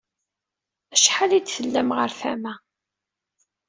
Acḥal i d-tellam ɣer tama.